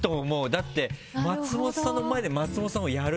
だって松本さんの前で松本さんをやる。